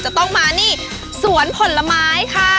จะต้องมานี่สวนผลไม้ค่ะ